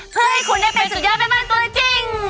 เพื่อให้คุณได้เป็นสุดยอดแม่บ้านตัวจริง